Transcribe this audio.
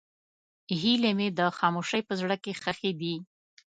هیلې مې د خاموشۍ په زړه کې ښخې دي.